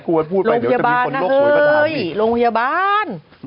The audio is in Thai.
กลัวพูดไปเดี๋ยวจะมีคนลดโหยกระดาษโรงพยาบาลนะเฮ้ยโรงพยาบาล